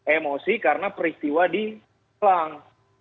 emosi karena peristiwa di selang